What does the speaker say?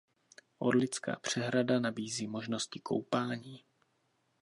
Orlická přehrada nabízí možnosti koupání.